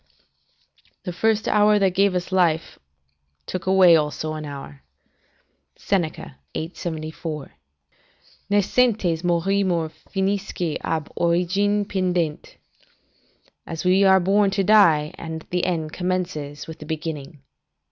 ["The first hour that gave us life took away also an hour." Seneca, Her. Fur., 3 Chor. 874.] "Nascentes morimur, finisque ab origine pendet." ["As we are born we die, and the end commences with the beginning."